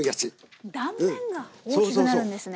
断面が大きくなるんですね。